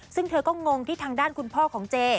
ซึ่งเธอก็งงที่ทางด้านคุณพ่อของเจ